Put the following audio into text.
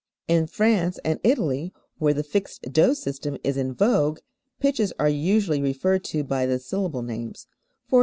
In France and Italy where the "fixed DO" system is in vogue, pitches are usually referred to by the syllable names; _e.